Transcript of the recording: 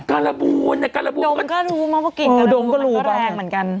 การระบูนเนี้ยการระบูนดมก็รู้มั้งว่ากลิ่นการระบูนมันก็แรงเหมือนกัน